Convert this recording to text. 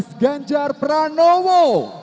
mas ganjar pranowo